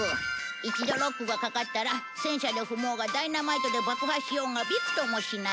一度ロックがかかったら戦車で踏もうがダイナマイトで爆破しようがびくともしない。